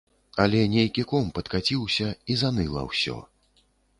Але нейкі ком падкаціўся, і заныла ўсё.